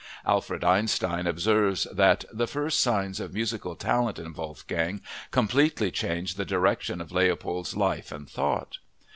Alfred Einstein observes that "the first signs of musical talent in Wolfgang completely changed the direction of Leopold's life and thought."